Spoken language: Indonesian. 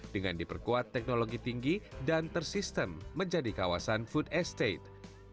dengan diperkuat teknologi tinggi dan tersistem menjadi kawasan food estate